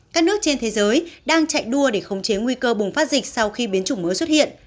các nước trên thế giới đang chạy đua để khống chế nguy cơ bùng phát dịch sau khi biến chủng mới xuất hiện